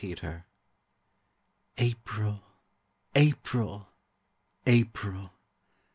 APRIL April! April! April!